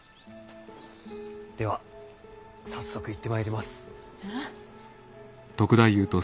では早速行ってまいります。